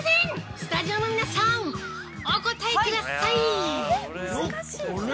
スタジオの皆さん、お答えください。